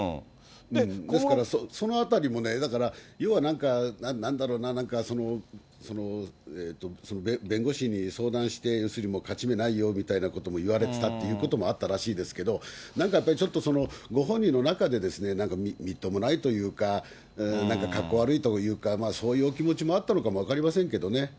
ですからそのあたりもね、だから、要はなんか、なんだろうな、なんか、弁護士に相談して、要するに勝ち目ないよみたいなことも言われてたっていうこともあったらしいですけど、なんかやっぱりちょっと、ご本人の中で、みっともないというか、なんかかっこ悪いというか、そういうお気持ちもあったのかもわかりませんけどね。